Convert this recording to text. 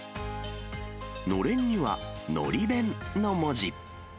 のれんには、海苔弁の文字。